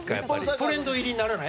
トレンド入りにならない？